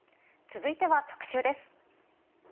続いては特集です。